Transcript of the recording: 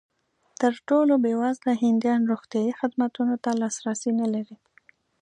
تر ټولو بېوزله هندیان روغتیايي خدمتونو ته لاسرسی نه لري.